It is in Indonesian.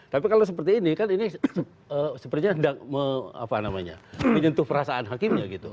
tapi kalau seperti ini ini sepertinya menyentuh perasaan hakimnya